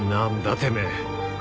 てめえ。